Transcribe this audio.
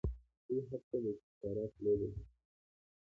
دوی هر څه د استخباراتو لوبه ګڼي.